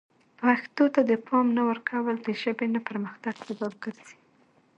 پښتو ته د پام نه ورکول د ژبې نه پرمختګ سبب ګرځي.